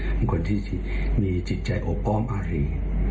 เป็นคนที่มีจิตใจอบอ้อมอารี